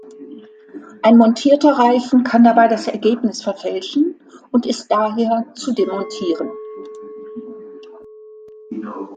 Ein montierter Reifen kann dabei das Ergebnis verfälschen und ist daher zu demontieren.